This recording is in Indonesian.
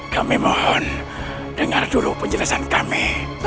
kami mohon dengar dulu penjelasan kami